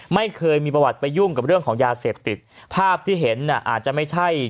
ไม่เคยมีประวัติไปยุ่งกับเรื่องของยาเสพติดภาพที่เห็นน่ะอาจจะไม่ใช่